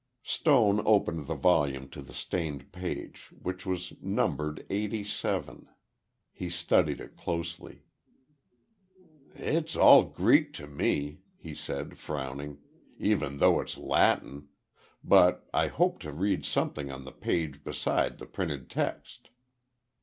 Stone opened the volume to the stained page, which was numbered 87. He studied it closely. "It's all Greek to me," he said, frowning, "even though it's Latin, but I hoped to read something on the page beside the printed text."